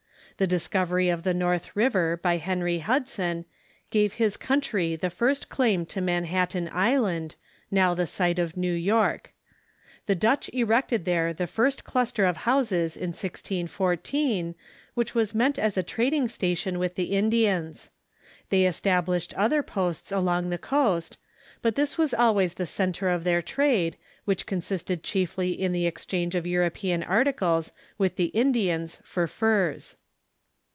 The discovery of the North River by Henry Hudson gave his country the first claim to Manhattan Island, now the site of New York. The Dutch erected there the first cluster of houses in 1614, which was meant as a trading station with the Indians. They established other posts along the coast, but this was always the centre of their trade, which consisted chiefly in the exchange of Euro pean articles with the Indians for furs.